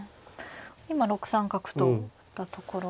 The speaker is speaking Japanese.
今６三角と打ったところで。